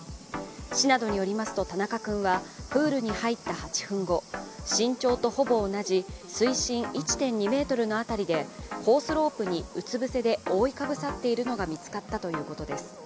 市などによりますと田中君はプールに入った８分後、身長とほぼ同じ水深１．２ｍの辺りでコースロープにうつぶせで覆いかぶさっているのが見つかったということです。